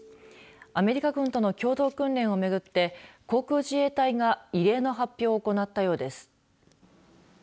アメリカ軍との共同訓練をめぐって航空自衛隊が異例の発表を行ったようです。